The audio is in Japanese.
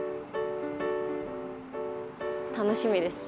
楽しみです。